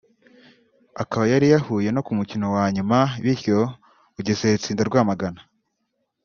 akaba yari yahuye no ku mukino wa nyuma bityo Bugesera itsinda Rwamagana